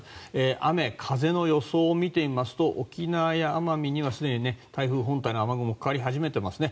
雨、風の予想を見てみますと沖縄や奄美にはすでに台風本体の雨雲がかかり始めていますね。